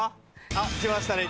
あっ来ましたね。